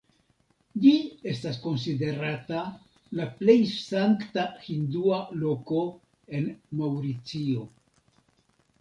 Ĝi estas konsiderata la plej sankta hindua loko en Maŭricio.